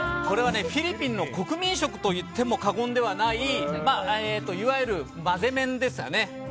これはフィリピンの国民食といっても過言ではないいわゆる混ぜ麺ですよね。